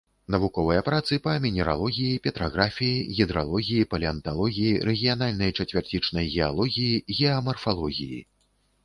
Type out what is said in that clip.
Навуковыя працы па мінералогіі, петраграфіі, гідралогіі, палеанталогіі, рэгіянальнай чацвярцічнай геалогіі, геамарфалогіі.